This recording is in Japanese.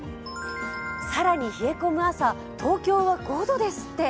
さらに冷え込む朝、東京は５度ですって。